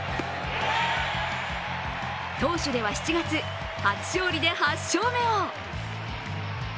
投手では７月、初勝利で８勝目を。